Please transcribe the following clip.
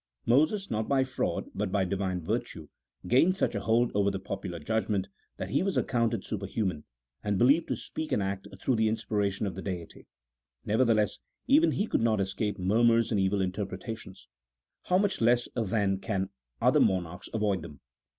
Moses, not by fraud, but by Divine virtue, gained such a hold over the popular judgment that he was accounted superhuman, and believed to speak and act through the in spiration of the Deity; nevertheless, even he could not escape murmurs and evil interpretations. How much less then can other monarchs avoid them